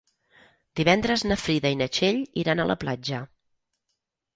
Divendres na Frida i na Txell iran a la platja.